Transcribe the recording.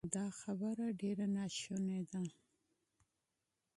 دا خبره ډېره ناشونې ده